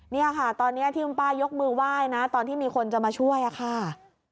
นี่ค่ะตอนนี้ที่คุณป้ายกมือไหว้นะตอนที่มีคนจะมาช่วยค่ะ